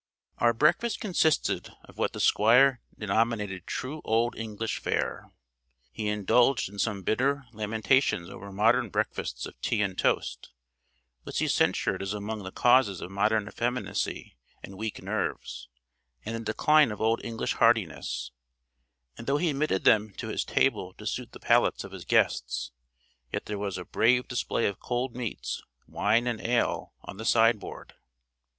Our breakfast consisted of what the Squire denominated true old English fare. He indulged in some bitter lamentations over modern breakfasts of tea and toast, which he censured as among the causes of modern effeminacy and weak nerves, and the decline of old English heartiness; and though he admitted them to his table to suit the palates of his guests, yet there was a brave display of cold meats, wine and ale, on the sideboard.